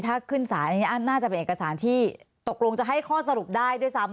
ถ้าขึ้นสารอันนี้น่าจะเป็นเอกสารที่ตกลงจะให้ข้อสรุปได้ด้วยซ้ำ